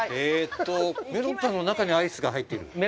ええっと、メロンパンの中にアイスが入っている？